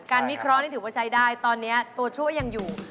วิเคราะห์นี่ถือว่าใช้ได้ตอนนี้ตัวช่วยยังอยู่